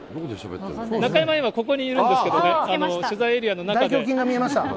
中山、今、ここにいるんですけどね、取材エリアの中で。